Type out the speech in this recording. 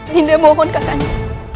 dinda mohon kakanda